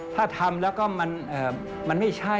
ถ้าทำแล้วก็มันไม่ใช่